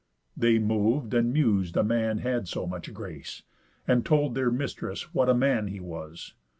They mov'd, and mus'd a man had so much grace, And told their mistress what a man he was.